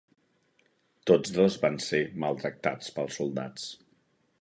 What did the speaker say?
Tots dos van ser maltractats pels soldats.